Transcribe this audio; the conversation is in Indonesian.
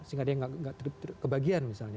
sehingga dia nggak kebagian misalnya